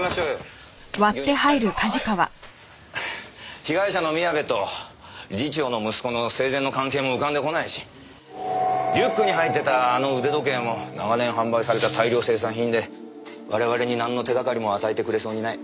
被害者の宮部と理事長の息子の生前の関係も浮かんでこないしリュックに入ってたあの腕時計も長年販売された大量生産品で我々になんの手掛かりも与えてくれそうにない。